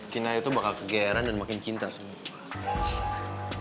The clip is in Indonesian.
kinar itu bakal kegayaran dan makin cinta sama kamu